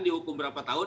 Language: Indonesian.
dihukum berapa tahun